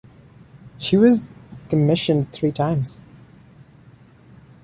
She was commissioned three times.